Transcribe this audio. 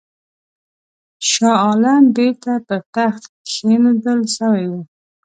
شاه عالم بیرته پر تخت کښېنول سوی دی.